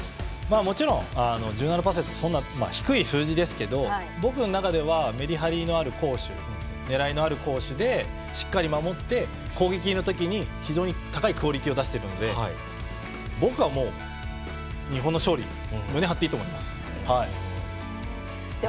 もちろん、１７％そんな低い数字ですけど僕の中ではめり張りのある攻守ねらいのある攻守でしっかり守って攻撃の時に非常に高いクオリティーを出しているんで僕はもう日本の勝利胸を張っていいと思います。